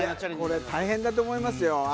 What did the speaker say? これ、大変だと思いますよ。